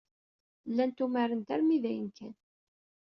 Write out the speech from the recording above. Llant umarent armi d ayen kan.